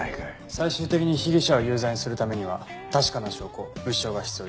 最終的に被疑者を有罪にするためには確かな証拠物証が必要です。